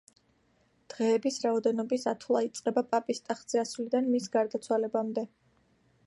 დღეების რაოდენობის ათვლა იწყება პაპის ტახტზე ასვლიდან, მის გარდაცვალებამდე.